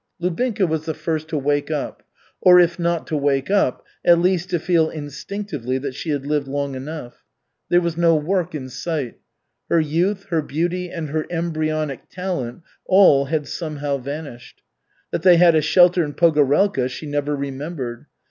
Lubinka was the first to wake up, or if not to wake up, at least to feel instinctively that she had lived long enough. There was no work in sight. Her youth, her beauty, and her embryonic talent, all had somehow vanished. That they had a shelter in Pogorelka, she never remembered.